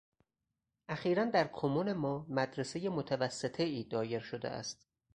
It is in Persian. اخیراً در کمون ما مدرسهٔ متوسطه ای دایر شده است.